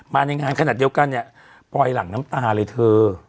ในงานขนาดเดียวกันเนี่ยปล่อยหลังน้ำตาเลยเธอ